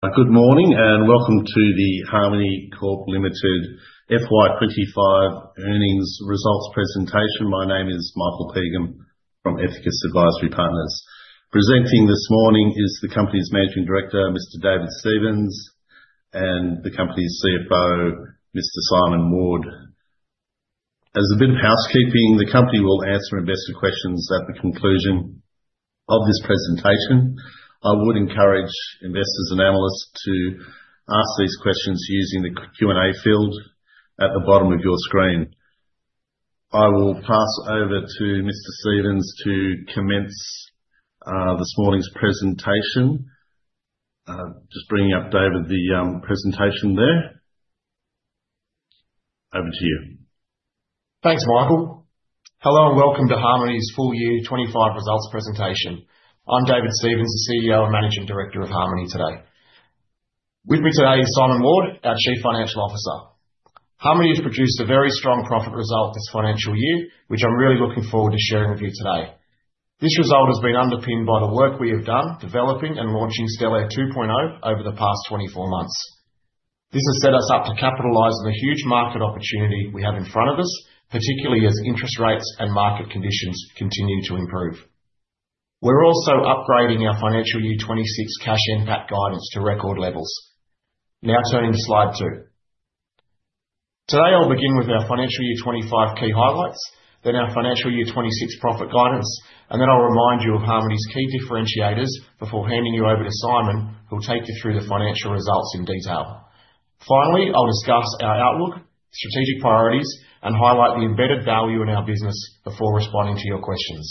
Good morning and welcome to the Harmoney Corp Limited FY25 Earnings Results Presentation. My name is Michael Pegum from Ethicos Advisory Partners. Presenting this morning is the company's Managing Director, Mr. David Stevens, and the company's CFO, Mr. Simon Ward. As a bit of housekeeping, the company will answer investor questions at the conclusion of this presentation. I would encourage investors and analysts to ask these questions using the Q&A field at the bottom of your screen. I will pass over to Mr. Stevens to commence this morning's presentation. Just bringing up David, the presentation there. Over to you. Thanks, Michael. Hello and welcome to Harmoney's full year 25 results presentation. I'm David Stevens, the CEO and Managing Director of Harmoney today. With me today is Simon Ward, our CFO. Harmoney has produced a very strong profit result this financial year, which I'm really looking forward to sharing with you today. This result has been underpinned by the work we have done developing and launching Stellare 2.0 over the past 24 months. This has set us up to capitalize on the huge market opportunity we have in front of us, particularly as interest rates and market conditions continue to improve. We're also upgrading our financial year 26 cash impact guidance to record levels. Now turning to slide two. Today I'll begin with our financial year 2025 key highlights, then our financial year 2026 profit guidance, and then I'll remind you of Harmoney's key differentiators before handing you over to Simon, who'll take you through the financial results in detail. Finally, I'll discuss our outlook, strategic priorities, and highlight the embedded value in our business before responding to your questions.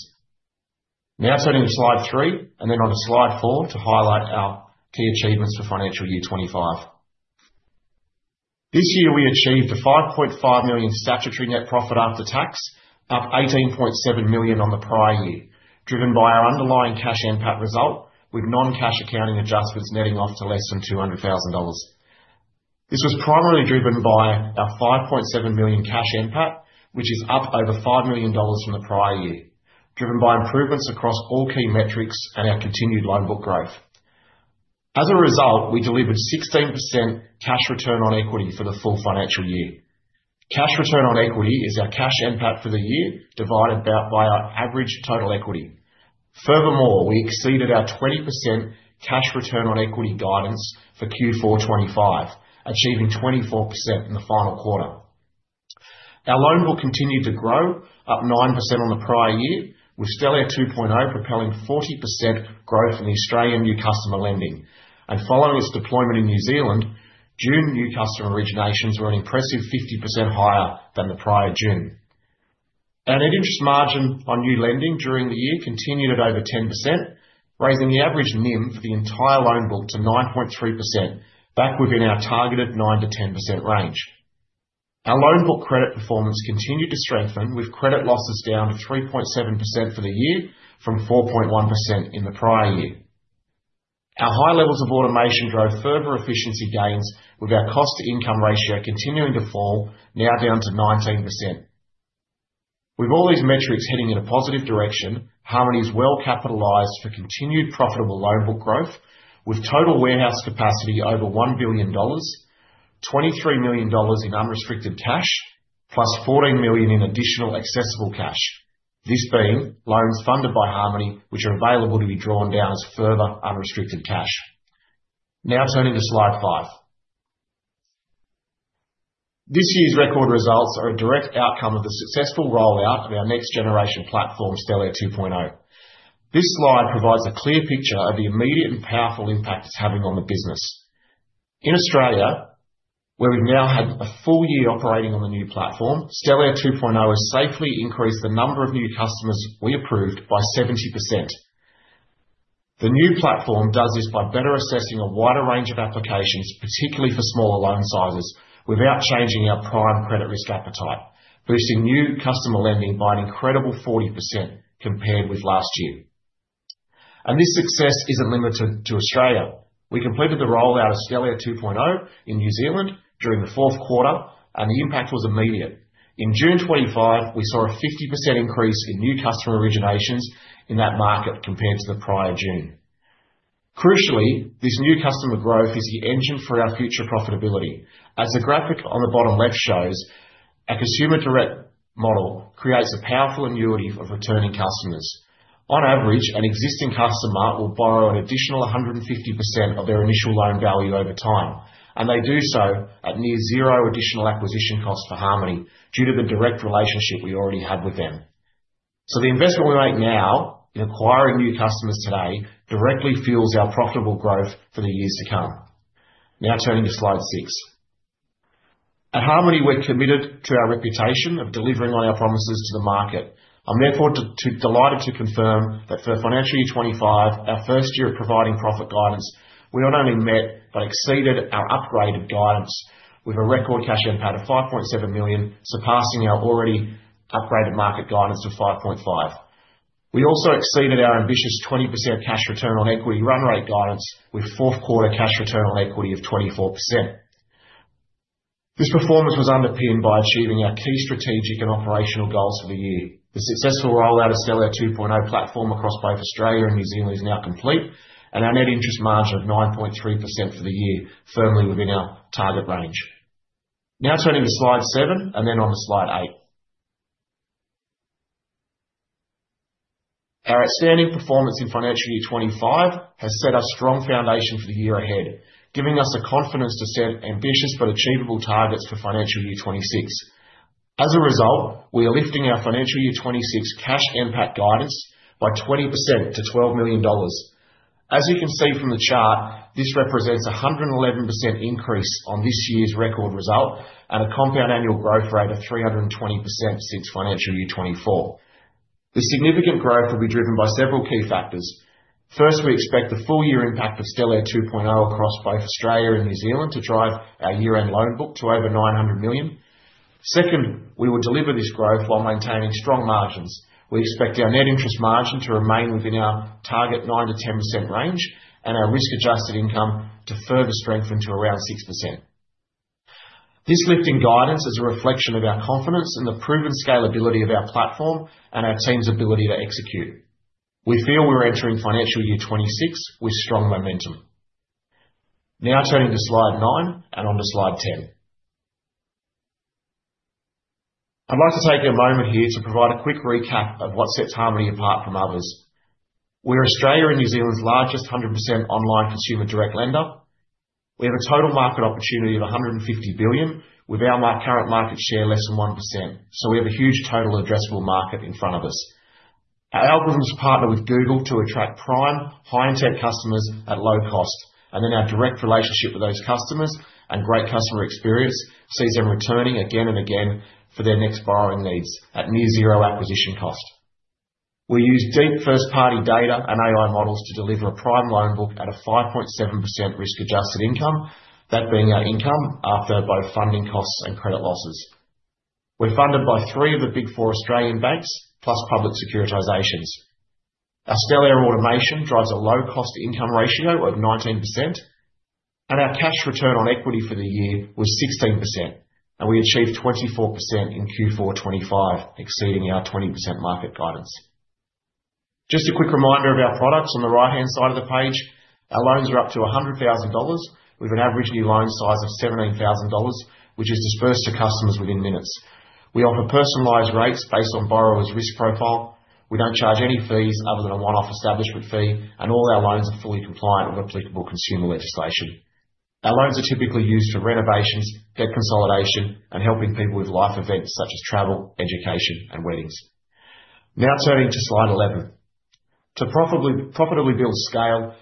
Now turning to slide three and then on to slide four to highlight our key achievements for financial year 2025. This year we achieved a $5.5 million statutory net profit after tax, up $18.7 million on the prior year, driven by our underlying cash impact result with non-cash accounting adjustments netting off to less than $200,000. This was primarily driven by our $5.7 million cash impact, which is up over $5 million from the prior year, driven by improvements across all key metrics and our continued loan book growth. As a result, we delivered 16% cash return on equity for the full financial year. Cash return on equity is our cash impact for the year divided by our average total equity. Furthermore, we exceeded our 20% cash return on equity guidance for Q4 2025, achieving 24% in the final quarter. Our loan book continued to grow, up 9% on the prior year, with Stellare 2.0 propelling 40% growth in the Australian new customer lending. And following its deployment in New Zealand, June new customer originations were an impressive 50% higher than the prior June. Our net interest margin on new lending during the year continued at over 10%, raising the average NIM for the entire loan book to 9.3%, back within our targeted 9%-10% range. Our loan book credit performance continued to strengthen, with credit losses down to 3.7% for the year from 4.1% in the prior year. Our high levels of automation drove further efficiency gains, with our cost to income ratio continuing to fall, now down to 19%. With all these metrics heading in a positive direction, Harmoney is well capitalized for continued profitable loan book growth, with total warehouse capacity over $1 billion, $23 million in unrestricted cash, plus $14 million in additional accessible cash. This being loans funded by Harmoney, which are available to be drawn down as further unrestricted cash. Now turning to slide five. This year's record results are a direct outcome of the successful rollout of our next generation platform, Stellare 2.0. This slide provides a clear picture of the immediate and powerful impact it's having on the business. In Australia, where we've now had a full year operating on the new platform, Stellare 2.0 has safely increased the number of new customers we approved by 70%. The new platform does this by better assessing a wider range of applications, particularly for smaller loan sizes, without changing our prime credit risk appetite, boosting new customer lending by an incredible 40% compared with last year. And this success isn't limited to Australia. We completed the rollout of Stellare 2.0 in New Zealand during the Q4, and the impact was immediate. In June 2025, we saw a 50% increase in new customer originations in that market compared to the prior June. Crucially, this new customer growth is the engine for our future profitability. As the graphic on the bottom left shows, a consumer direct model creates a powerful annuity of returning customers. On average, an existing customer will borrow an additional 150% of their initial loan value over time, and they do so at near zero additional acquisition costs for Harmoney due to the direct relationship we already had with them. So the investment we make now in acquiring new customers today directly fuels our profitable growth for the years to come. Now turning to slide six. At Harmoney, we're committed to our reputation of delivering on our promises to the market. I'm therefore delighted to confirm that for financial year 2025, our first year of providing profit guidance, we not only met but exceeded our upgraded guidance with a record cash impact of $5.7 million, surpassing our already upgraded market guidance of $5.5 million. We also exceeded our ambitious 20% cash return on equity run rate guidance with Q4 cash return on equity of 24%. This performance was underpinned by achieving our key strategic and operational goals for the year. The successful rollout of Stellare 2.0 platform across both Australia and New Zealand is now complete, and our net interest margin of 9.3% for the year, firmly within our target range. Now turning to slide seven and then on to slide eight. Our outstanding performance in financial year 2025 has set a strong foundation for the year ahead, giving us the confidence to set ambitious but achievable targets for financial year 2026. As a result, we are lifting our financial year 2026 cash impact guidance by 20% to $12 million. As you can see from the chart, this represents a 111% increase on this year's record result and a compound annual growth rate of 320% since financial year 2024. The significant growth will be driven by several key factors. First, we expect the full year impact of Stellare 2.0 across both Australia and New Zealand to drive our year-end loan book to over $900 million. Second, we will deliver this growth while maintaining strong margins. We expect our net interest margin to remain within our target 9%-10% range and our risk-adjusted income to further strengthen to around 6%. This lift in guidance is a reflection of our confidence in the proven scalability of our platform and our team's ability to execute. We feel we're entering financial year 26 with strong momentum. Now turning to slide nine and on to slide ten. I'd like to take a moment here to provide a quick recap of what sets Harmoney apart from others. We're Australia and New Zealand's largest 100% online consumer direct lender. We have a total market opportunity of $150 billion, with our current market share less than 1%. So we have a huge total addressable market in front of us. Our algorithms partner with Google to attract prime, high-intent customers at low cost. And then our direct relationship with those customers and great customer experience sees them returning again and again for their next borrowing needs at near zero acquisition cost. We use deep first-party data and AI models to deliver a prime loan book at a 5.7% risk-adjusted income, that being our income after both funding costs and credit losses. We're funded by three of the Big Four Australian banks plus public securitizations. Our Stellare automation drives a cost to income ratio of 19%, and our cash return on equity for the year was 16%, and we achieved 24% in Q4 2025, exceeding our 20% market guidance. Just a quick reminder of our products on the right-hand side of the page. Our loans are up to $100,000 with an average new loan size of $17,000, which is dispersed to customers within minutes. We offer personalized rates based on borrowers' risk profile. We don't charge any fees other than a one-off establishment fee, and all our loans are fully compliant with applicable consumer legislation. Our loans are typically used for renovations, debt consolidation, and helping people with life events such as travel, education, and weddings. Now turning to slide 11. To profitably build scale,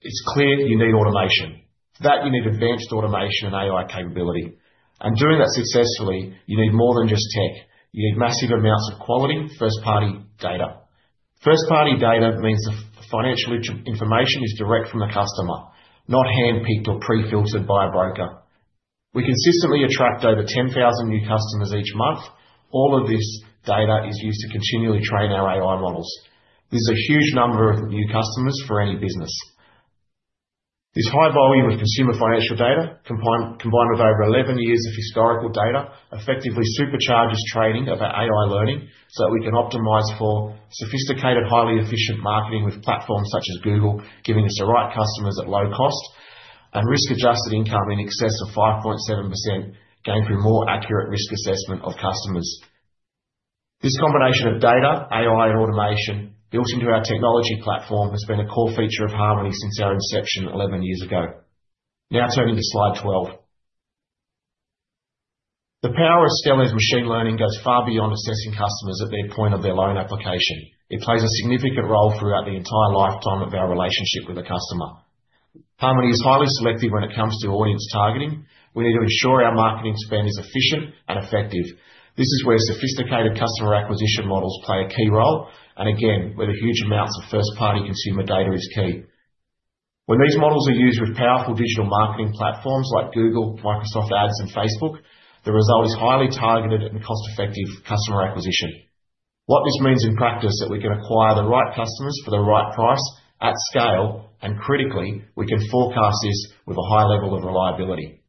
it's clear you need automation. For that, you need advanced automation and AI capability. And doing that successfully, you need more than just tech. You need massive amounts of quality first-party data. First-party data means the financial information is direct from the customer, not hand-picked or pre-filtered by a broker. We consistently attract over 10,000 new customers each month. All of this data is used to continually train our AI models. This is a huge number of new customers for any business. This high volume of consumer financial data, combined with over 11 years of historical data, effectively supercharges training of our AI learning so that we can optimize for sophisticated, highly efficient marketing with platforms such as Google, giving us the right customers at low cost and risk-adjusted income in excess of 5.7% gained through more accurate risk assessment of customers. This combination of data, AI, and automation built into our technology platform has been a core feature of Harmoney since our inception 11 years ago. Now turning to slide 12. The power of Stellare's machine learning goes far beyond assessing customers at their point of their loan application. It plays a significant role throughout the entire lifetime of our relationship with the customer. Harmoney is highly selective when it comes to audience targeting. We need to ensure our marketing spend is efficient and effective. This is where sophisticated customer acquisition models play a key role. And again, where the huge amounts of first-party consumer data is key. When these models are used with powerful digital marketing platforms like Google, Microsoft Ads, and Facebook, the result is highly targeted and cost-effective customer acquisition. What this means in practice is that we can acquire the right customers for the right price at scale, and critically, we can forecast this with a high level of reliability.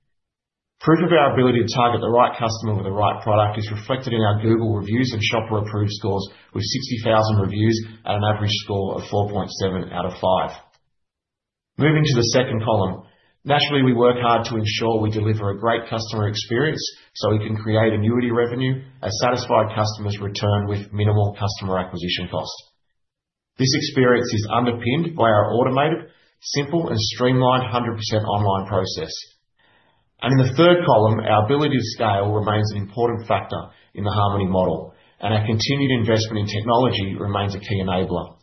Proof of our ability to target the right customer with the right product is reflected in our Google Reviews and Shopper Approved scores with 60,000 reviews and an average score of 4.7 out of 5. Moving to the second column, naturally, we work hard to ensure we deliver a great customer experience so we can create annuity revenue as satisfied customers return with minimal customer acquisition cost. This experience is underpinned by our automated, simple, and streamlined 100% online process. In the third column, our ability to scale remains an important factor in the Harmoney model, and our continued investment in technology remains a key enabler.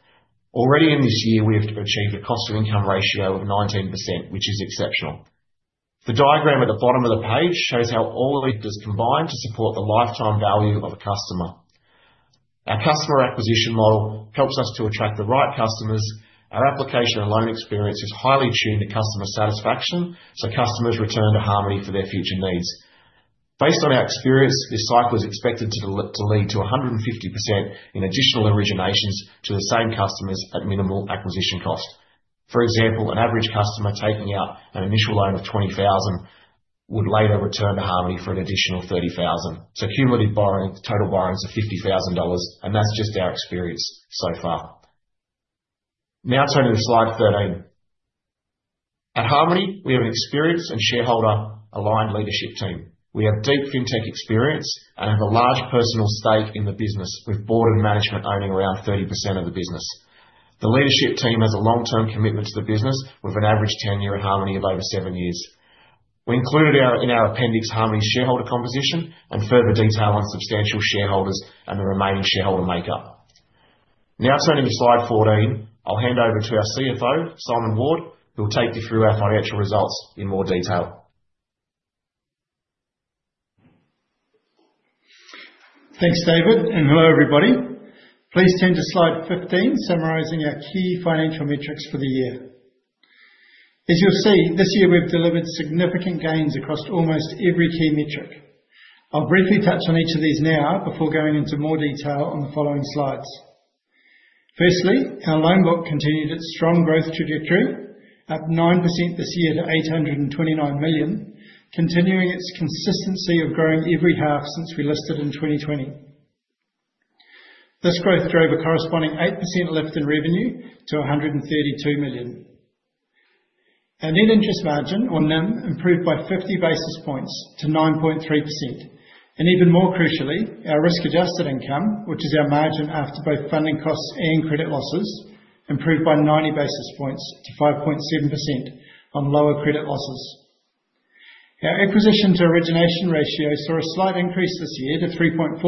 Already in this year, we have achieved a cost to income ratio of 19%, which is exceptional. The diagram at the bottom of the page shows how all of it is combined to support the lifetime value of a customer. Our customer acquisition model helps us to attract the right customers. Our application and loan experience is highly tuned to customer satisfaction so customers return to Harmoney for their future needs. Based on our experience, this cycle is expected to lead to 150% in additional originations to the same customers at minimal acquisition cost. For example, an average customer taking out an initial loan of $20,000 would later return to Harmoney for an additional $30,000. So cumulative total borrowings are $50,000, and that's just our experience so far. Now turning to slide 13. At Harmoney, we have an experienced and shareholder-aligned leadership team. We have deep fintech experience and have a large personal stake in the business, with board and management owning around 30% of the business. The leadership team has a long-term commitment to the business with an average tenure at Harmoney of over seven years. We included in our appendix Harmoney's shareholder composition and further detail on substantial shareholders and the remaining shareholder makeup. Now turning to slide 14, I'll hand over to our CFO, Simon Ward, who will take you through our financial results in more detail. Thanks, David, and hello, everybody. Please turn to slide 15, summarizing our key financial metrics for the year. As you'll see, this year we've delivered significant gains across almost every key metric. I'll briefly touch on each of these now before going into more detail on the following slides. First, our loan book continued its strong growth trajectory at 9% this year to $829 million, continuing its consistency of growing every half since we listed in 2020. This growth drove a corresponding 8% lift in revenue to $132 million. Our net interest margin, or NIM, improved by 50 basis points to 9.3%. Even more crucially, our risk-adjusted income, which is our margin after both funding costs and credit losses, improved by 90 basis points to 5.7% on lower credit losses. Our acquisition to origination ratio saw a slight increase this year to 3.4%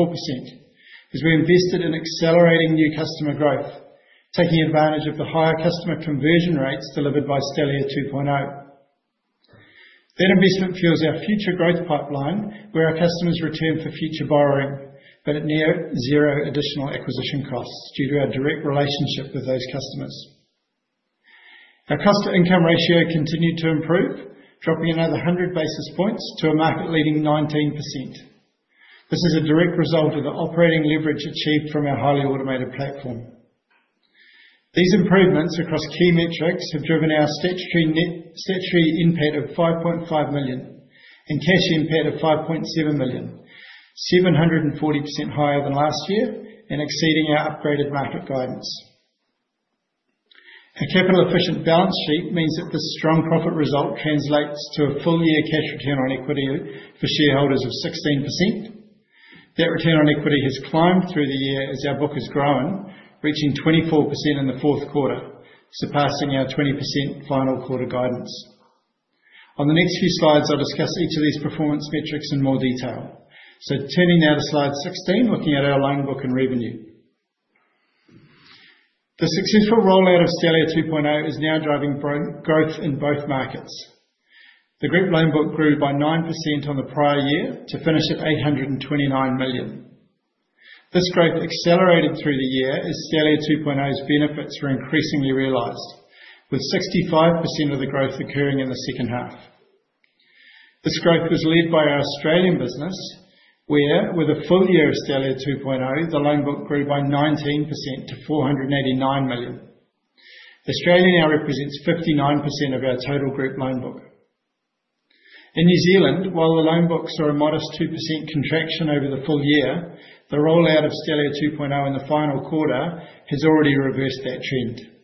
as we invested in accelerating new customer growth, taking advantage of the higher customer conversion rates delivered by Stellare 2.0. That investment fuels our future growth pipeline where our customers return for future borrowing, but at near zero additional acquisition costs due to our direct relationship with those customers. Our cost to income ratio continued to improve, dropping another 100 basis points to a market-leading 19%. This is a direct result of the operating leverage achieved from our highly automated platform. These improvements across key metrics have driven our statutory NPAT of $5.5 million and cash impact of $5.7 million, 740% higher than last year and exceeding our upgraded market guidance. Our capital efficient balance sheet means that this strong profit result translates to a full year cash return on equity for shareholders of 16%. That return on equity has climbed through the year as our book has grown, reaching 24% in the Q4, surpassing our 20% final quarter guidance. On the next few slides, I'll discuss each of these performance metrics in more detail. So turning now to slide 16, looking at our loan book and revenue. The successful rollout of Stellare 2.0 is now driving growth in both markets. The group loan book grew by 9% on the prior year to finish at $829 million. This growth accelerated through the year as Stellare 2.0's benefits were increasingly realized, with 65% of the growth occurring in the second half. This growth was led by our Australian business where, with a full year of Stellare 2.0, the loan book grew by 19% to $489 million. Australia now represents 59% of our total group loan book. In New Zealand, while the loan books saw a modest 2% contraction over the full year, the rollout of Stellare 2.0 in the final quarter has already reversed that trend.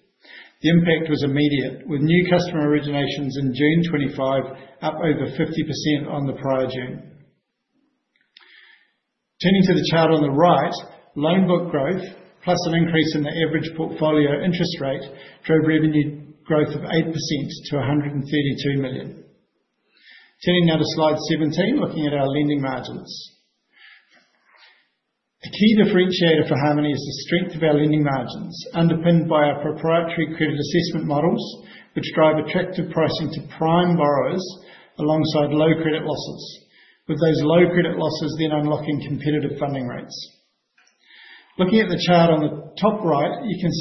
The impact was immediate, with new customer originations in June 2025 up over 50% on the prior June. Turning to the chart on the right, loan book growth plus an increase in the average portfolio interest rate drove revenue growth of 8% to $132 million. Turning now to slide 17, looking at our lending margins. A key differentiator for Harmoney is the strength of our lending margins, underpinned by our proprietary credit assessment models, which drive attractive pricing to prime borrowers alongside low credit losses, with those low credit losses then unlocking competitive funding rates. Looking at the chart on the top right, you can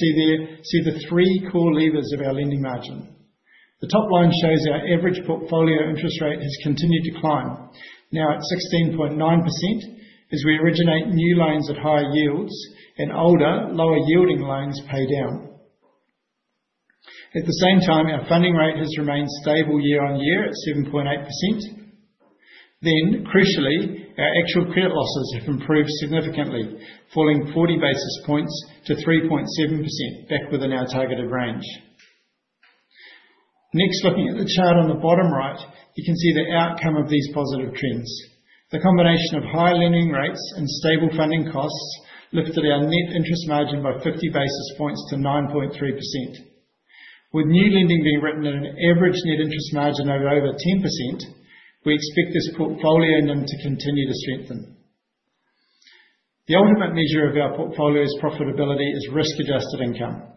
see the three core levers of our lending margin. The top line shows our average portfolio interest rate has continued to climb, now at 16.9%, as we originate new loans at higher yields and older, lower yielding loans pay down. At the same time, our funding rate has remained stable year on year at 7.8%. Then, crucially, our actual credit losses have improved significantly, falling 40 basis points to 3.7%, back within our targeted range. Next, looking at the chart on the bottom right, you can see the outcome of these positive trends. The combination of high lending rates and stable funding costs lifted our net interest margin by 50 basis points to 9.3%. With new lending being written at an average net interest margin of over 10%, we expect this portfolio NIM to continue to strengthen. The ultimate measure of our portfolio's profitability is risk-adjusted income.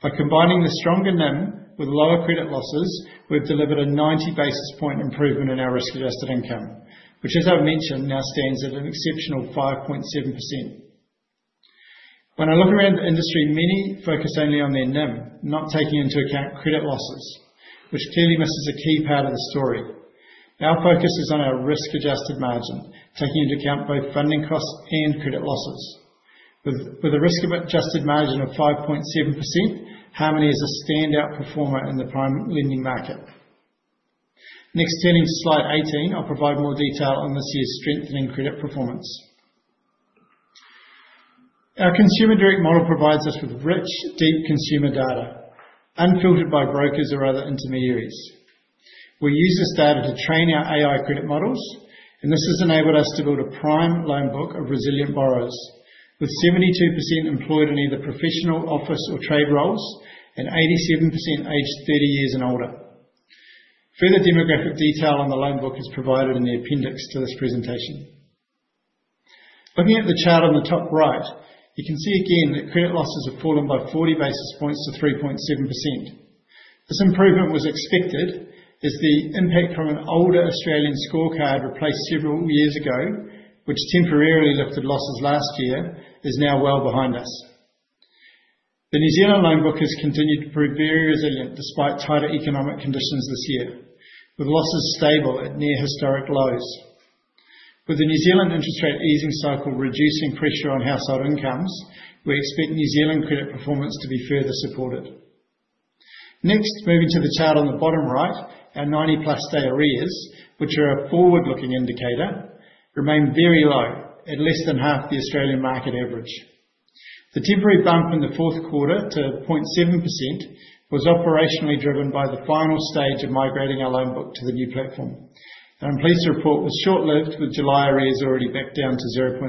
By combining the stronger NIM with lower credit losses, we've delivered a 90 basis point improvement in our risk-adjusted income, which, as I've mentioned, now stands at an exceptional 5.7%. When I look around the industry, many focus only on their NIM, not taking into account credit losses, which clearly misses a key part of the story. Our focus is on our risk-adjusted margin, taking into account both funding costs and credit losses. With a risk-adjusted margin of 5.7%, Harmoney is a standout performer in the prime lending market. Next, turning to slide 18, I'll provide more detail on this year's strengthening credit performance. Our consumer direct model provides us with rich, deep consumer data, unfiltered by brokers or other intermediaries. We use this data to train our AI credit models, and this has enabled us to build a prime loan book of resilient borrowers, with 72% employed in either professional, office, or trade roles and 87% aged 30 years and older. Further demographic detail on the loan book is provided in the appendix to this presentation. Looking at the chart on the top right, you can see again that credit losses have fallen by 40 basis points to 3.7%. This improvement was expected as the impact from an older Australian scorecard replaced several years ago, which temporarily lifted losses last year, is now well behind us. The New Zealand loan book has continued to prove very resilient despite tighter economic conditions this year, with losses stable at near historic lows. With the New Zealand interest rate easing cycle reducing pressure on household incomes, we expect New Zealand credit performance to be further supported. Next, moving to the chart on the bottom right, our 90+ day arrears, which are a forward-looking indicator, remain very low at less than half the Australian market average. The temporary bump in the Q4 to 0.7% was operationally driven by the final stage of migrating our loan book to the new platform. And I'm pleased to report it was short-lived, with July arrears already back down to 0.6%.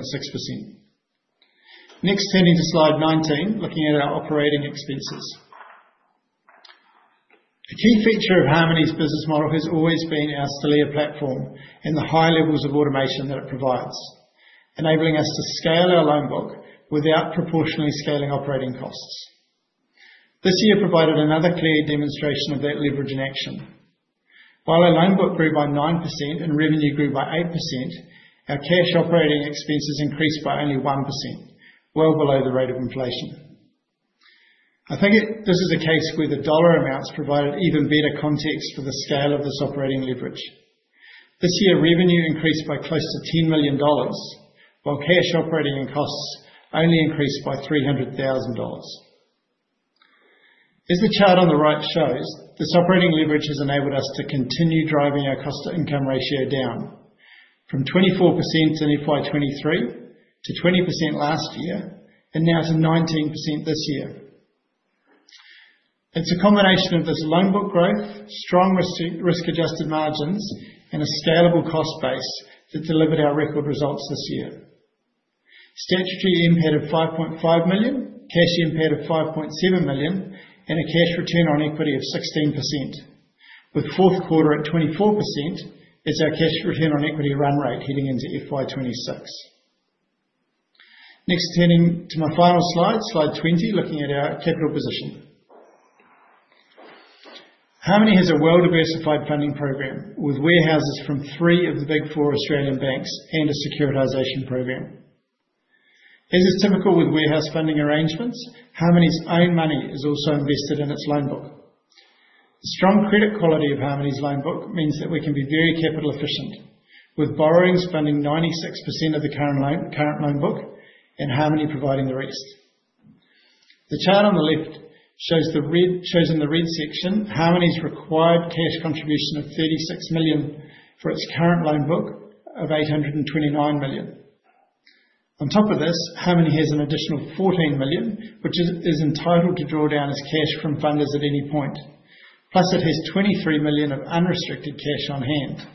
Next, turning to slide 19, looking at our operating expenses. A key feature of Harmoney's business model has always been our Stellare platform and the high levels of automation that it provides, enabling us to scale our loan book without proportionally scaling operating costs. This year provided another clear demonstration of that leverage in action. While our loan book grew by 9% and revenue grew by 8%, our cash operating expenses increased by only 1%, well below the rate of inflation. I think this is a case where the dollar amounts provided even better context for the scale of this operating leverage. This year, revenue increased by close to $10 million, while cash operating and costs only increased by $300,000. As the chart on the right shows, this operating leverage has enabled us to continue driving our cost to income ratio down from 24% in FY23 to 20% last year and now to 19% this year. It's a combination of this loan book growth, strong risk-adjusted margins, and a scalable cost base that delivered our record results this year. Statutory impact of $5.5 million, cash impact of $5.7 million, and a cash return on equity of 16%. With Q4 at 24%, it's our cash return on equity run rate heading into FY26. Next, turning to my final slide, slide 20, looking at our capital position. Harmoney has a well-diversified funding program with warehouses from three of the big four Australian banks and a securitization program. As is typical with warehouse funding arrangements, Harmoney's own money is also invested in its loan book. The strong credit quality of Harmoney's loan book means that we can be very capital efficient, with borrowings funding 96% of the current loan book and Harmoney providing the rest. The chart on the left shows the red section, Harmoney's required cash contribution of $36 million for its current loan book of $829 million. On top of this, Harmoney has an additional $14 million, which is entitled to draw down as cash from funders at any point. Plus, it has $23 million of unrestricted cash on hand.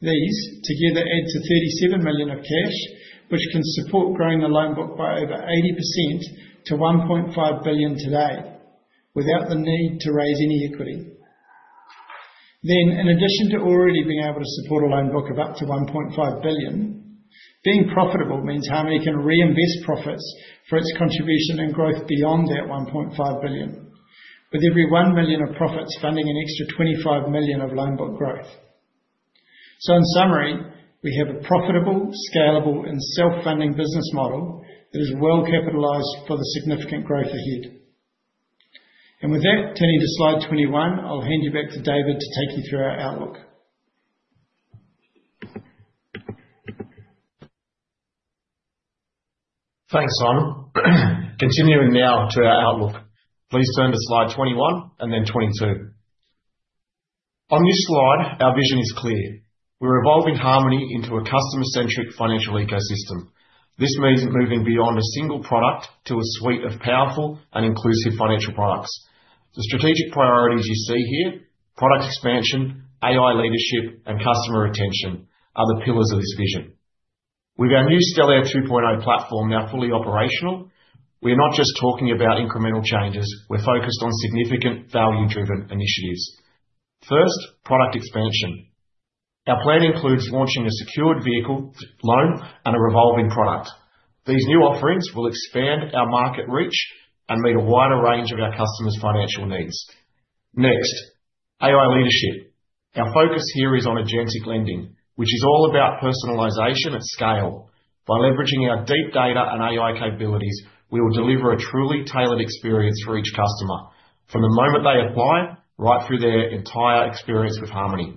These together add to $37 million of cash, which can support growing the loan book by over 80% to $1.5 billion today without the need to raise any equity. Then, in addition to already being able to support a loan book of up to $1.5 billion, being profitable means Harmoney can reinvest profits for its contribution and growth beyond that $1.5 billion, with every $1 million of profits funding an extra $25 million of loan book growth. So, in summary, we have a profitable, scalable, and self-funding business model that is well capitalized for the significant growth ahead, and with that, turning to slide 21, I'll hand you back to David to take you through our outlook. Thanks, Simon. Continuing now to our outlook, please turn to slide 21 and then 22. On this slide, our vision is clear. We're evolving Harmoney into a customer-centric financial ecosystem. This means moving beyond a single product to a suite of powerful and inclusive financial products. The strategic priorities you see here, product expansion, AI leadership, and customer retention are the pillars of this vision. With our new Stellare 2.0 platform now fully operational, we're not just talking about incremental changes. We're focused on significant value-driven initiatives. First, product expansion. Our plan includes launching a secured vehicle loan and a revolving product. These new offerings will expand our market reach and meet a wider range of our customers' financial needs. Next, AI leadership. Our focus here is on agentic lending, which is all about personalization at scale. By leveraging our deep data and AI capabilities, we will deliver a truly tailored experience for each customer from the moment they apply, right through their entire experience with Harmoney.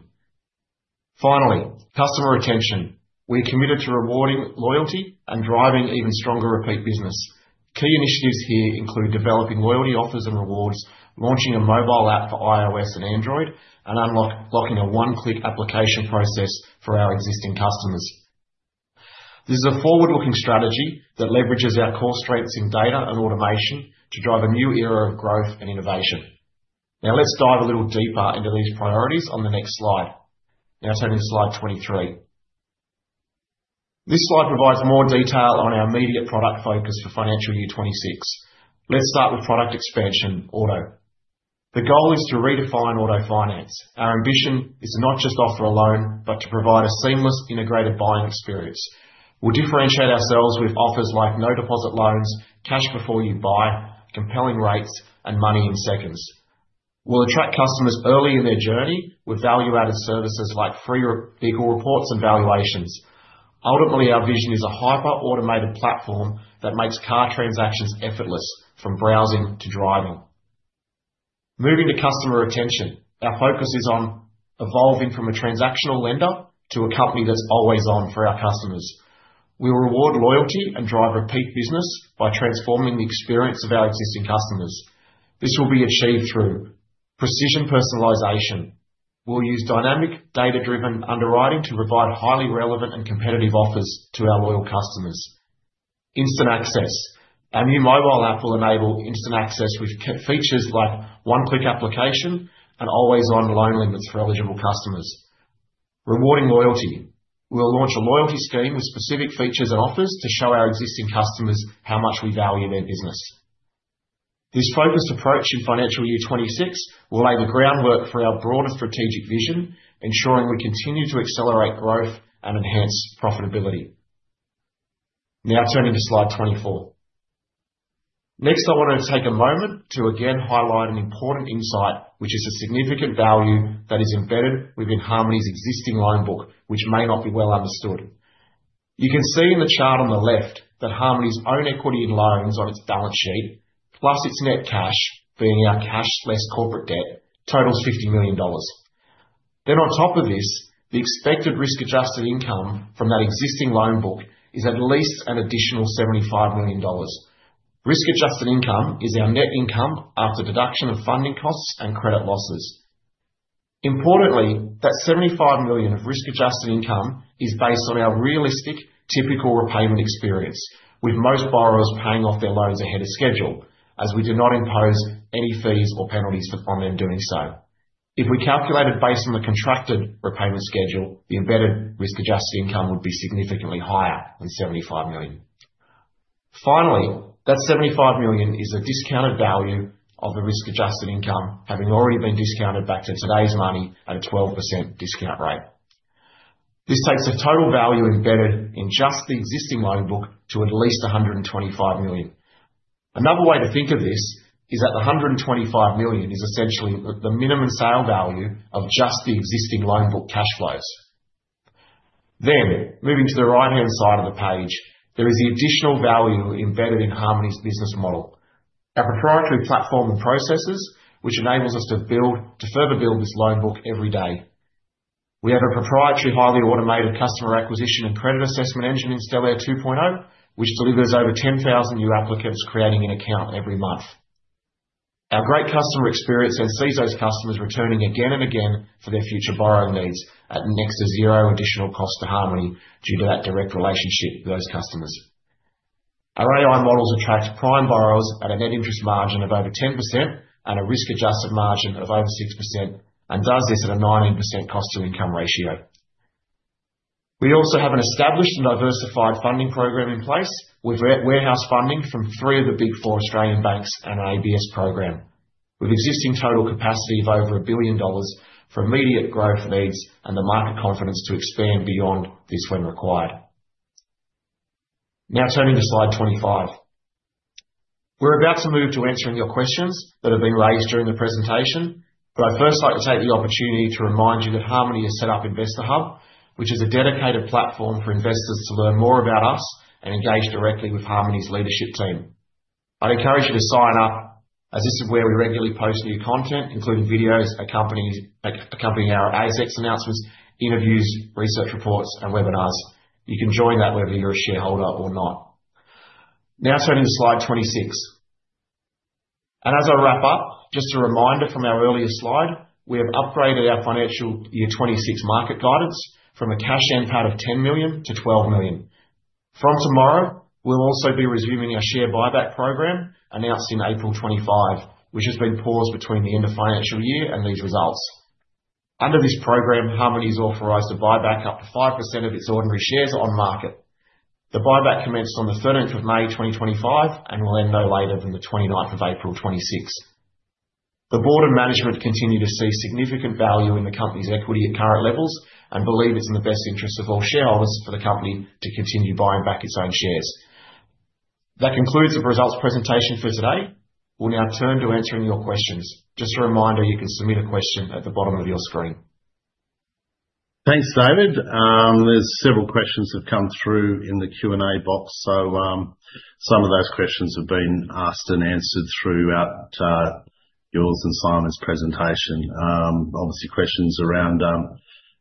Finally, customer retention. We're committed to rewarding loyalty and driving even stronger repeat business. Key initiatives here include developing loyalty offers and rewards, launching a mobile app for iOS and Android, and unlocking a one-click application process for our existing customers. This is a forward-looking strategy that leverages our core strengths in data and automation to drive a new era of growth and innovation. Now, let's dive a little deeper into these priorities on the next slide. Now, turning to slide 23. This slide provides more detail on our immediate product focus for financial year 2026. Let's start with product expansion, auto. The goal is to redefine auto finance. Our ambition is to not just offer a loan, but to provide a seamless integrated buying experience. We'll differentiate ourselves with offers like no deposit loans, cash before you buy, compelling rates, and money in seconds. We'll attract customers early in their journey with value-added services like free vehicle reports and valuations. Ultimately, our vision is a hyper-automated platform that makes car transactions effortless, from browsing to driving. Moving to customer retention, our focus is on evolving from a transactional lender to a company that's always on for our customers. We'll reward loyalty and drive repeat business by transforming the experience of our existing customers. This will be achieved through precision personalization. We'll use dynamic, data-driven underwriting to provide highly relevant and competitive offers to our loyal customers. Instant access. Our new mobile app will enable instant access with features like one-click application and always-on loan limits for eligible customers. Rewarding loyalty. We'll launch a loyalty scheme with specific features and offers to show our existing customers how much we value their business. This focused approach in financial year 2026 will lay the groundwork for our broader strategic vision, ensuring we continue to accelerate growth and enhance profitability. Now, turning to slide 24. Next, I want to take a moment to again highlight an important insight, which is a significant value that is embedded within Harmoney's existing loan book, which may not be well understood. You can see in the chart on the left that Harmoney's own equity in loans on its balance sheet, plus its net cash, being our cash less corporate debt, totals $50 million. Then, on top of this, the expected risk-adjusted income from that existing loan book is at least an additional $75 million. Risk-adjusted income is our net income after deduction of funding costs and credit losses. Importantly, that $75 million of risk-adjusted income is based on our realistic, typical repayment experience, with most borrowers paying off their loans ahead of schedule, as we do not impose any fees or penalties on them doing so. If we calculated based on the contracted repayment schedule, the embedded risk-adjusted income would be significantly higher than $75 million. Finally, that $75 million is a discounted value of the risk-adjusted income, having already been discounted back to today's money at a 12% discount rate. This takes a total value embedded in just the existing loan book to at least $125 million. Another way to think of this is that the $125 million is essentially the minimum sale value of just the existing loan book cash flows. Then, moving to the right-hand side of the page, there is the additional value embedded in Harmoney's business model. Our proprietary platform and processes, which enables us to further build this loan book every day. We have a proprietary highly automated customer acquisition and credit assessment engine in Stellare 2.0, which delivers over 10,000 new applicants creating an account every month. Our great customer experience then sees those customers returning again and again for their future borrowing needs at next to zero additional cost to Harmoney due to that direct relationship with those customers. Our AI models attract prime borrowers at a net interest margin of over 10% and a risk-adjusted margin of over 6%, and does this at a 19% cost to income ratio. We also have an established and diversified funding program in place with warehouse funding from three of the big four Australian banks and an ABS program, with existing total capacity of over $1 billion for immediate growth needs and the market confidence to expand beyond this when required. Now, turning to slide 25. We're about to move to answering your questions that have been raised during the presentation, but I'd first like to take the opportunity to remind you that Harmoney has set up Investor Hub, which is a dedicated platform for investors to learn more about us and engage directly with Harmoney's leadership team. I'd encourage you to sign up, as this is where we regularly post new content, including videos accompanying our ASX announcements, interviews, research reports, and webinars. You can join that whether you're a shareholder or not. Now, turning to slide 26, and as I wrap up, just a reminder from our earlier slide, we have upgraded our financial year 2026 market guidance from a cash impact of $10 million -$12 million. From tomorrow, we'll also be resuming our share buyback program announced in April 2025, which has been paused between the end of financial year and these results. Under this program, Harmoney is authorized to buy back up to 5% of its ordinary shares on market. The buyback commenced on the 30th of May 2025 and will end no later than the 29th of April 2026. The board and management continue to see significant value in the company's equity at current levels and believe it's in the best interest of all shareholders for the company to continue buying back its own shares. That concludes the results presentation for today. We'll now turn to answering your questions. Just a reminder, you can submit a question at the bottom of your screen. Thanks, David. There's several questions that have come through in the Q&A box, so some of those questions have been asked and answered throughout yours and Simon's presentation. Obviously, questions around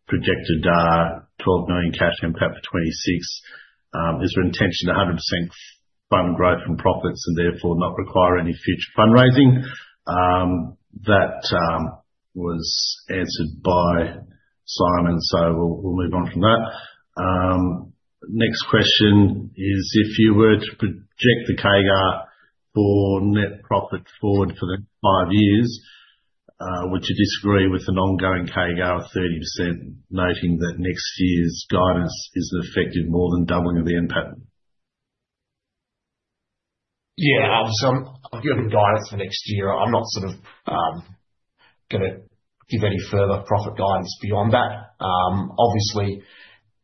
projected $12 million cash impact for 2026, is there intention to 100% fund growth from profits and therefore not require any future fundraising? That was answered by Simon, so we'll move on from that. Next question is, if you were to project the CAGR for net profit forward for the next five years, would you disagree with an ongoing CAGR of 30%, noting that next year's guidance is an effective more than doubling of the impact? Yeah, so I'm giving guidance for next year. I'm not sort of going to give any further profit guidance beyond that. Obviously,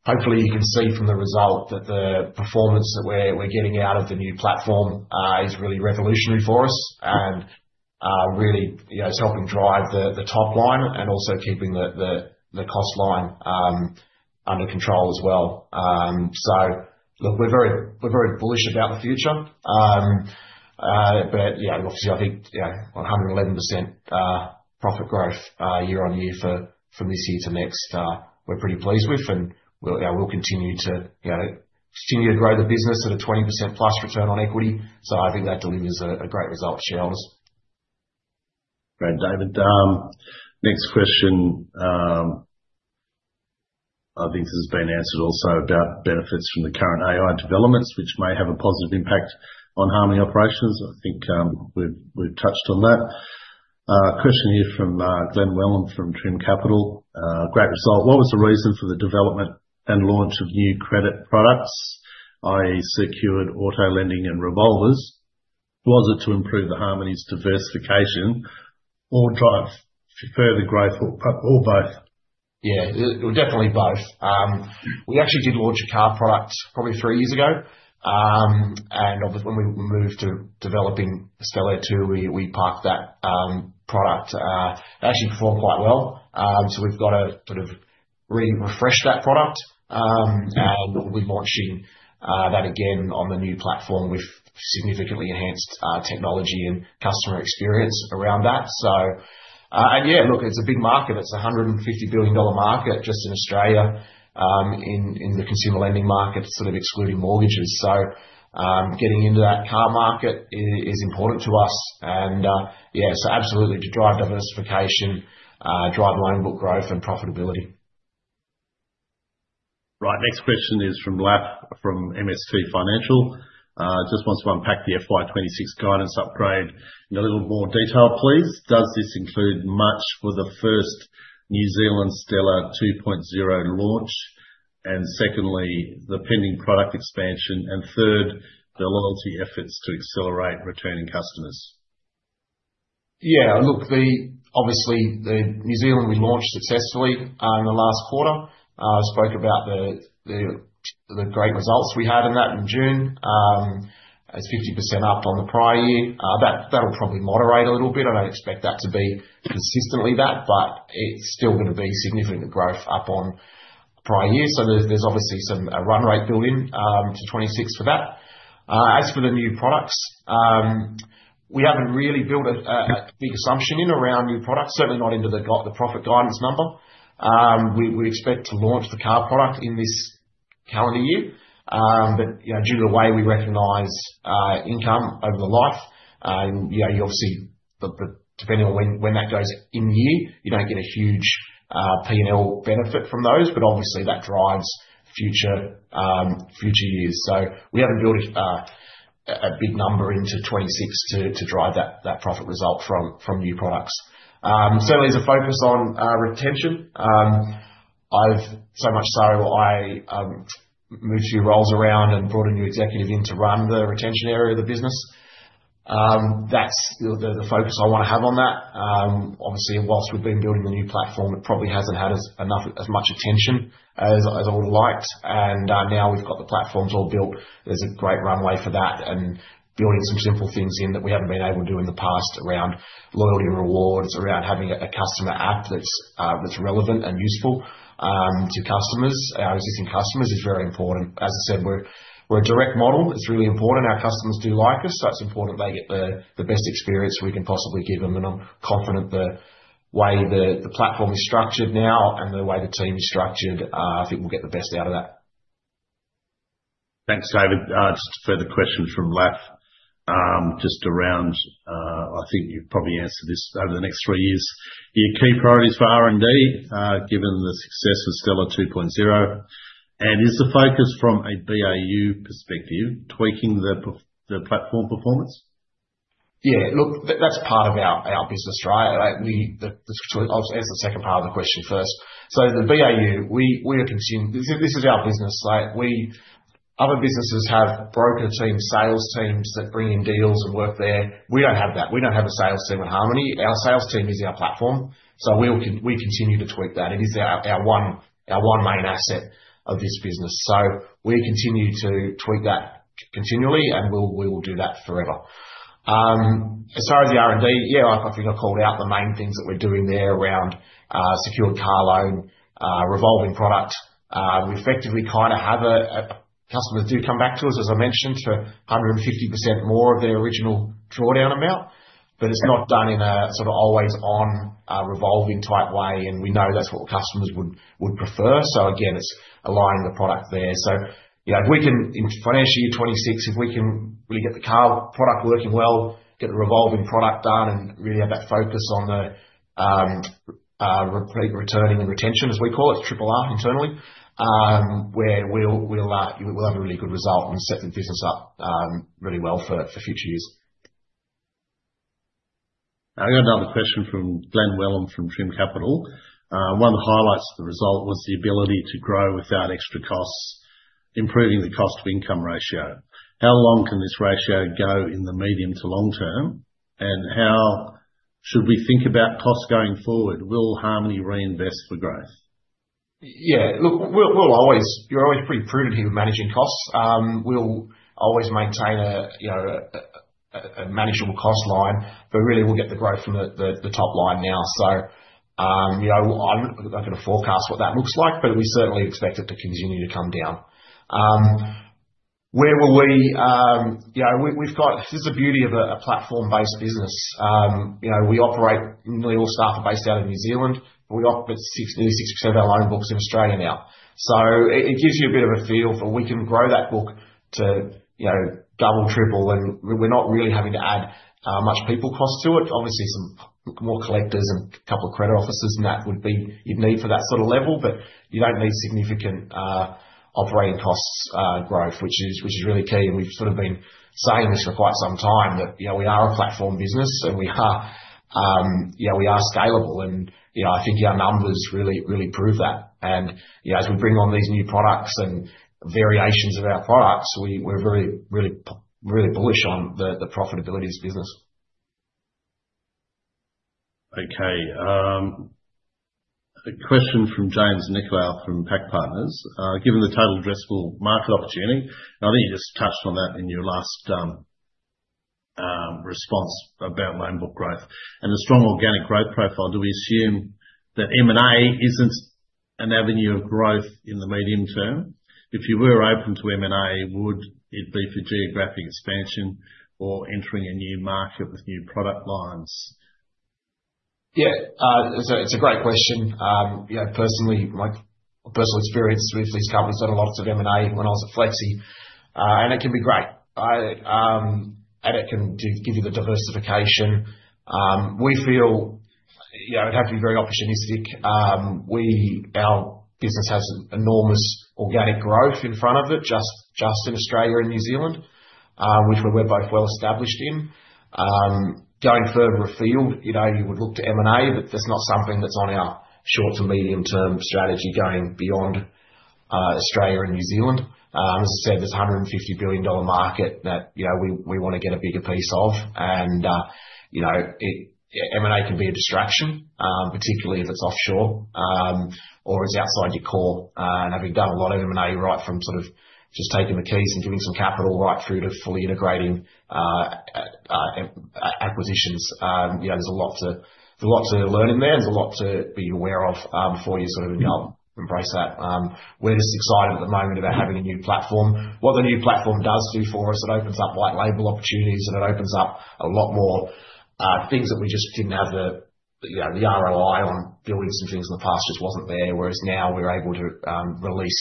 hopefully, you can see from the result that the performance that we're getting out of the new platform is really revolutionary for us and really is helping drive the top line and also keeping the cost line under control as well. So, look, we're very bullish about the future, but yeah, obviously, I think 111% profit growth year on year from this year to next, we're pretty pleased with, and we'll continue to grow the business at a 20% plus return on equity. So I think that delivers a great result for shareholders. Great, David. Next question. I think this has been answered also about benefits from the current AI developments, which may have a positive impact on Harmoney operations. I think we've touched on that. Question here from Glenn Welham from Trim Capital. Great result. What was the reason for the development and launch of new credit products, i.e., secured auto lending and revolvers? Yeah, definitely both. We actually did launch a car product probably three years ago, and when we moved to developing Stellare 2, we parked that product. It actually performed quite well, so we've got to sort of refresh that product, and we're launching that again on the new platform with significantly enhanced technology and customer experience around that. And yeah, look, it's a big market. It's a 150 billion dollar market just in Australia, in the consumer lending market, sort of excluding mortgages. So getting into that car market is important to us. And yeah, so absolutely, to drive diversification, drive loan book growth, and profitability. Right, next question is from Laf from MST Financial. Just wants to unpack the FY 2026 guidance upgrade in a little more detail, please. Does this include much for the first New Zealand Stellare 2.0 launch? And secondly, the pending product expansion? And third, the loyalty efforts to accelerate returning customers? Yeah, look, obviously, New Zealand we launched successfully in the last quarter. I spoke about the great results we had in that in June. It's 50% up on the prior year. That'll probably moderate a little bit. I don't expect that to be consistently that, but it's still going to be significant growth up on the prior year. So there's obviously some run rate building to 2026 for that. As for the new products, we haven't really built a big assumption in around new products, certainly not into the profit guidance number. We expect to launch the car product in this calendar year, but due to the way we recognize income over the life, you obviously, depending on when that goes in the year, you don't get a huge P&L benefit from those, but obviously, that drives future years. So we haven't built a big number into 2026 to drive that profit result from new products. Certainly, there's a focus on retention. So much so, I moved a few roles around and brought a new executive in to run the retention area of the business. That's the focus I want to have on that. Obviously, while we've been building the new platform, it probably hasn't had as much attention as I would have liked, and now we've got the platforms all built. There's a great runway for that and building some simple things in that we haven't been able to do in the past around loyalty and rewards, around having a customer app that's relevant and useful to customers. Our existing customers is very important. As I said, we're a direct model. It's really important. Our customers do like us, so it's important they get the best experience we can possibly give them, and I'm confident the way the platform is structured now and the way the team is structured, I think we'll get the best out of that. Thanks, David. Just a further question from Laf, just around, I think you've probably answered this over the next three years. Your key priorities for R&D, given the success of Stellare 2.0, and is the focus from a BAU perspective, tweaking the platform performance? Yeah, look, that's part of our business, right? Obviously, that's the second part of the question first. So the BAU, we are consuming this is our business. Other businesses have broker teams, sales teams that bring in deals and work there. We don't have that. We don't have a sales team at Harmoney. Our sales team is our platform, so we continue to tweak that. It is our one main asset of this business. So we continue to tweak that continually, and we will do that forever. As far as the R&D, yeah, I think I called out the main things that we're doing there around secured car loan, revolving product. We effectively kind of have customers do come back to us, as I mentioned, for 150% more of their original drawdown amount, but it's not done in a sort of always-on revolving type way, and we know that's what customers would prefer. So again, it's aligning the product there. So if we can, in financial year 2026, if we can really get the car product working well, get the revolving product done, and really have that focus on the returning and retention, as we call it, triple R internally, where we'll have a really good result and set the business up really well for future years. Now, we have another question from Glen Welham from Trim Capital. One of the highlights of the result was the ability to grow without extra costs, improving the cost-to-income ratio. How long can this ratio go in the medium to long term, and how should we think about costs going forward? Will Harmoney reinvest for growth? Yeah, look, you're always pretty prudent here with managing costs. We'll always maintain a manageable cost line, but really, we'll get the growth from the top line now. So I couldn't forecast what that looks like, but we certainly expect it to continue to come down. Where were we? This is the beauty of a platform-based business. We operate. Nearly all staff are based out of New Zealand, but we operate nearly 60% of our loan books in Australia now. So it gives you a bit of a feel for we can grow that book to double, triple, and we're not really having to add much people cost to it. Obviously, some more collectors and a couple of credit officers and that would be your need for that sort of level, but you don't need significant operating costs growth, which is really key, and we've sort of been saying this for quite some time that we are a platform business, and we are scalable, and I think our numbers really prove that, and as we bring on these new products and variations of our products, we're really bullish on the profitability of this business. Okay. Question from James Nicolao from PAC Partners. Given the total addressable market opportunity, and I think you just touched on that in your last response about loan book growth and the strong organic growth profile, do we assume that M&A isn't an avenue of growth in the medium term? If you were open to M&A, would it be for geographic expansion or entering a new market with new product lines? Yeah, it's a great question. Personally, my personal experience with these companies is I did a lot of M&A when I was at Flexi, and it can be great, and it can give you the diversification. We feel it'd have to be very opportunistic. Our business has enormous organic growth in front of it, just in Australia and New Zealand, which we're both well established in. Going further afield, you would look to M&A, but that's not something that's on our short to medium-term strategy going beyond Australia and New Zealand. As I said, there's a $150 billion market that we want to get a bigger piece of, and M&A can be a distraction, particularly if it's offshore or it's outside your core. And having done a lot of M&A, right, from sort of just taking the keys and giving some capital right through to fully integrating acquisitions, there's a lot to learn in there. There's a lot to be aware of before you sort of embrace that. We're just excited at the moment about having a new platform. What the new platform does do for us, it opens up white label opportunities, and it opens up a lot more things that we just didn't have the ROI on building some things in the past just wasn't there. Whereas now we're able to release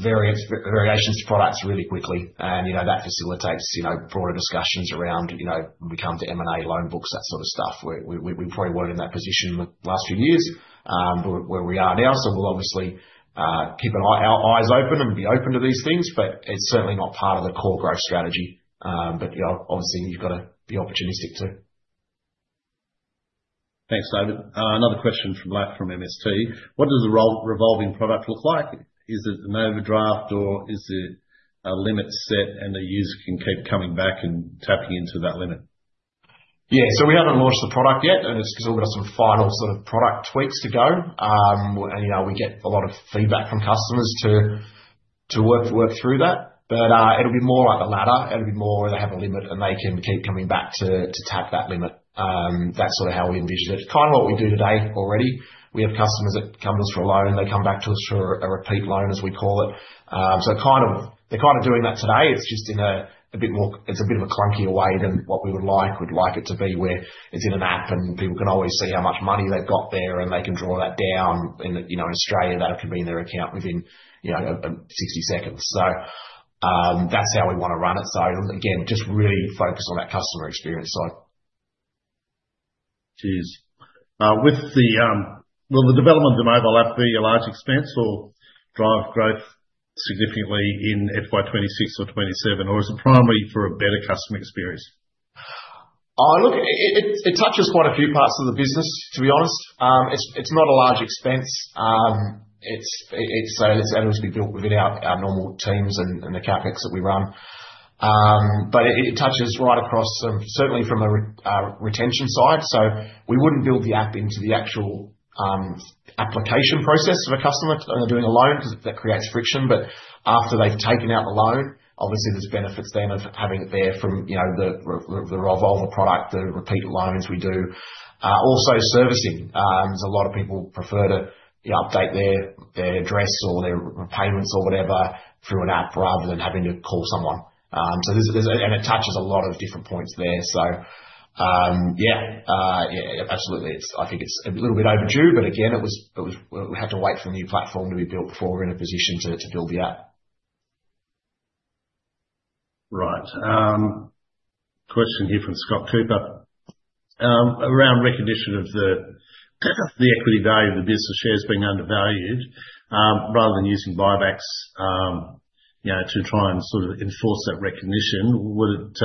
variations to products really quickly, and that facilitates broader discussions around when we come to M&A loan books, that sort of stuff. We probably weren't in that position the last few years where we are now, so we'll obviously keep our eyes open and be open to these things, but it's certainly not part of the core growth strategy. But obviously, you've got to be opportunistic too. Thanks, David. Another question from Laf from MST. What does a revolving product look like? Is it an overdraft, or is it a limit set and the user can keep coming back and tapping into that limit? Yeah, so we haven't launched the product yet. It's all got some final sort of product tweaks to go. And we get a lot of feedback from customers to work through that. But it'll be more like a ladder. It'll be more where they have a limit and they can keep coming back to tap that limit. That's sort of how we envision it. Kind of what we do today already. We have customers that come to us for a loan. They come back to us for a repeat loan, as we call it. So they're kind of doing that today. It's just a bit more of a clunkier way than what we would like. We'd like it to be where it's in an app and people can always see how much money they've got there and they can draw that down. In Australia, that'll be in their account within 60 seconds. So that's how we want to run it. So again, just really focus on that customer experience side. Cheers. Will the development of the mobile app be a large expense or drive growth significantly in FY 2026 or 2027, or is it primarily for a better customer experience? Look, it touches quite a few parts of the business, to be honest. It's not a large expense. So it's been built within our normal teams and the CapEx that we run. But it touches right across, certainly from a retention side. So we wouldn't build the app into the actual application process for a customer doing a loan because that creates friction. But after they've taken out the loan, obviously, there's benefits then of having it there from the revolver product, the repeat loans we do. Also, servicing. There's a lot of people who prefer to update their address or their payments or whatever through an app rather than having to call someone. And it touches a lot of different points there. So yeah, absolutely. I think it's a little bit overdue, but again, we had to wait for the new platform to be built before we're in a position to build the app. Right. Question here from Scott Cooper. Around recognition of the equity value of the business shares being undervalued, rather than using buybacks to try and sort of enforce that recognition, would it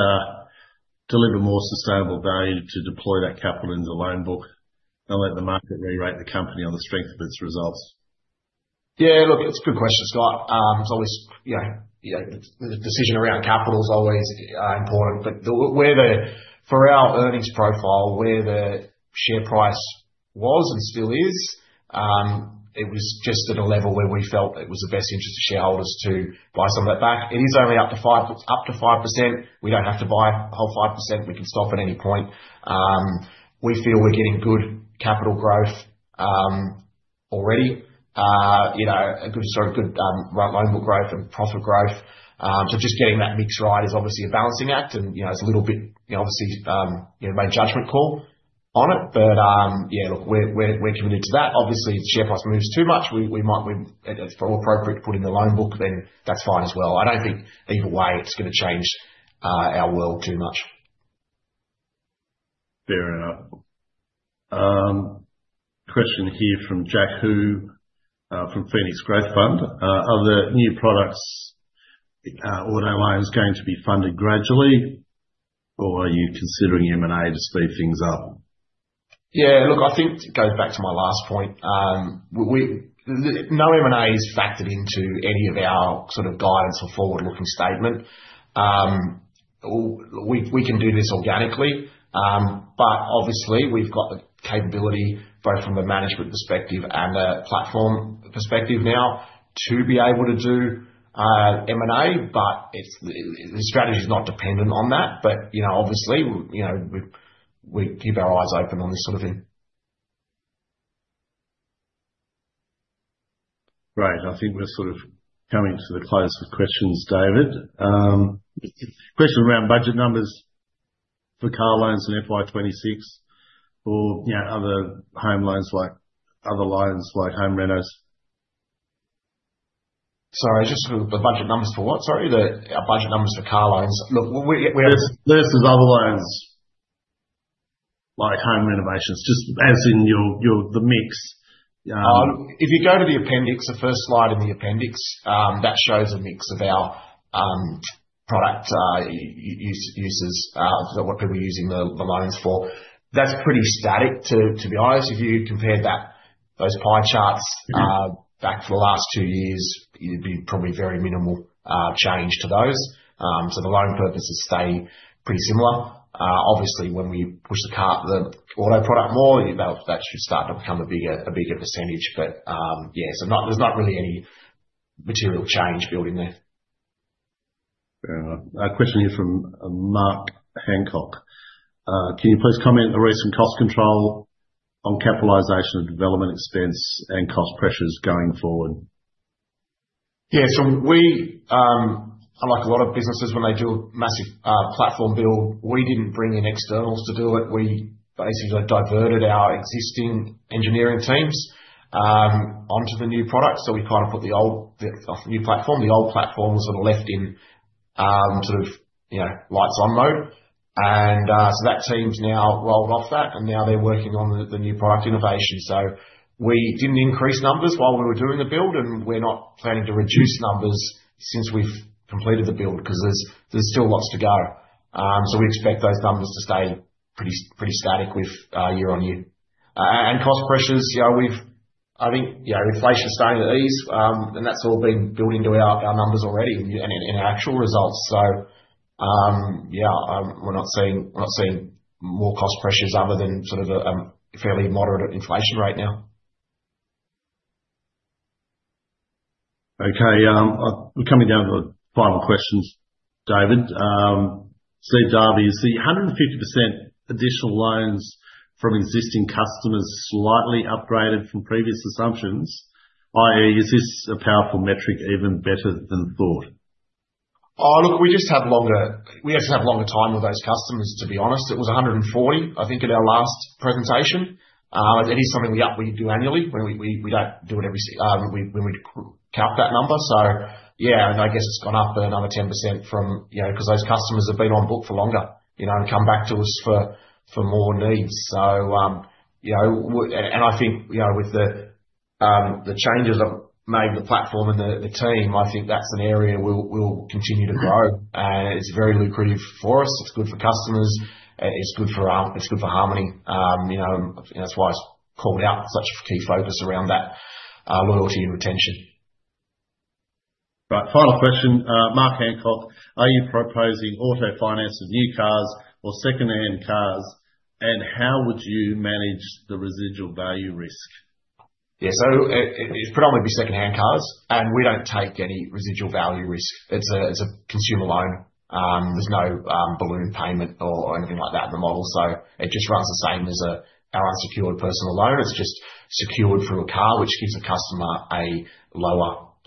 deliver more sustainable value to deploy that capital into the loan book and let the market re-rate the company on the strength of its results? Yeah, look, it's a good question, Scott. The decision around capital is always important. But for our earnings profile, where the share price was and still is, it was just at a level where we felt it was the best interest to shareholders to buy some of that back. It is only up to 5%. We don't have to buy a whole 5%. We can stop at any point. We feel we're getting good capital growth already, a good sort of good loan book growth and profit growth. So just getting that mix right is obviously a balancing act, and it's a little bit, obviously, made judgment call on it. But yeah, look, we're committed to that. Obviously, if share price moves too much, it's more appropriate to put in the loan book, then that's fine as well. I don't think either way it's going to change our world too much. Fair enough. Question here from Jack Hu from Phoenix Growth Fund. Are the new products or M&As going to be funded gradually, or are you considering M&A to speed things up? Yeah, look, I think it goes back to my last point. No M&A is factored into any of our sort of guidance or forward-looking statement. We can do this organically, but obviously, we've got the capability both from a management perspective and a platform perspective now to be able to do M&A, but the strategy is not dependent on that. But obviously, we keep our eyes open on this sort of thing. Right. I think we're sort of coming to the close with questions, David. Question around budget numbers for car loans in FY26 or other home loans, like other loans like home renos? Sorry, just the budget numbers for what? Sorry, the budget numbers for car loans. Look, there's other loans like home renovations, just as in the mix. If you go to the appendix, the first slide in the appendix, that shows a mix of our product uses, what people are using the loans for. That's pretty static, to be honest. If you compared those pie charts back for the last two years, it'd be probably very minimal change to those. So the loan purposes stay pretty similar. Obviously, when we push the auto product more, that should start to become a bigger percentage. But yeah, so there's not really any material change building there. Fair enough. Question here from Mark Hancock. Can you please comment on the recent cost control on capitalization and development expense and cost pressures going forward? Yeah, so like a lot of businesses, when they do a massive platform build, we didn't bring in externals to do it. We basically diverted our existing engineering teams onto the new product. So we kind of put the old platform, the old platform was sort of left in sort of lights-on mode. And so that team's now rolled off that, and now they're working on the new product innovation. So we didn't increase numbers while we were doing the build, and we're not planning to reduce numbers since we've completed the build because there's still lots to go. So we expect those numbers to stay pretty static year on year. And cost pressures, I think, inflation is staying at ease, and that's all been built into our numbers already and our actual results. So yeah, we're not seeing more cost pressures other than sort of a fairly moderate inflation rate now. Okay. We're coming down to the final questions, David. So David, is the 150% additional loans from existing customers slightly upgraded from previous assumptions, i.e., is this a powerful metric even better than thought? Look, we just have longer—we actually have longer time with those customers, to be honest. It was 140, I think, at our last presentation. It is something we do annually. We don't do it every when we count that number. So yeah, I guess it's gone up another 10% because those customers have been on book for longer and come back to us for more needs. And I think with the changes that made the platform and the team, I think that's an area we'll continue to grow. And it's very lucrative for us. It's good for customers. It's good for Harmoney. That's why it's called out such a key focus around that loyalty and retention. Right. Final question. Mark Hancock, are you proposing auto finance of new cars or secondhand cars, and how would you manage the residual value risk? Yeah, so it's predominantly secondhand cars, and we don't take any residual value risk. It's a consumer loan. There's no balloon payment or anything like that in the model. So it just runs the same as our unsecured personal loan. It's just secured through a car, which gives the customer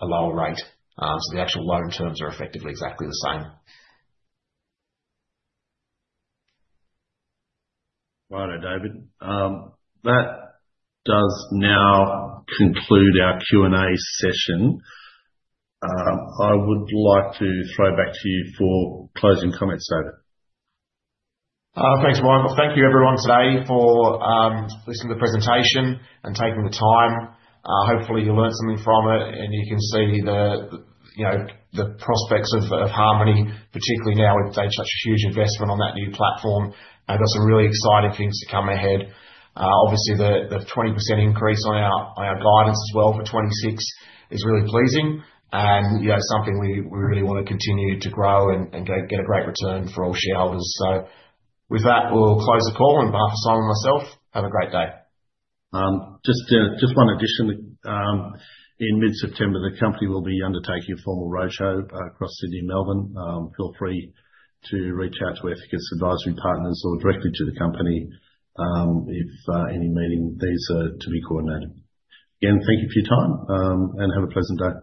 a lower rate. So the actual loan terms are effectively exactly the same. Right, David. That does now conclude our Q&A session. I would like to throw back to you for closing comments, David. Thanks, Michael. Thank you, everyone, today for listening to the presentation and taking the time. Hopefully, you learned something from it, and you can see the prospects of Harmoney, particularly now with such a huge investment on that new platform. They've got some really exciting things to come ahead. Obviously, the 20% increase on our guidance as well for 2026 is really pleasing and something we really want to continue to grow and get a great return for all shareholders. So with that, we'll close the call. And for Simon and myself, have a great day. Just one addition. In mid-September, the company will be undertaking a formal roadshow across Sydney and Melbourne. Feel free to reach out to Ethicus Advisory Partners or directly to the company if any meetings need to be coordinated. Again, thank you for your time, and have a pleasant day.